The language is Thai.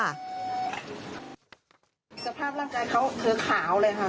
สภาพร่างกายเขาคือขาวเลยค่ะ